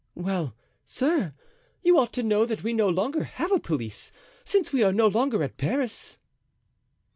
Well, sir, you ought to know that we no longer have a police, since we are no longer at Paris."